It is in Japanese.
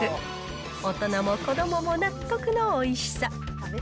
大人も子どもも納得のおいしさ。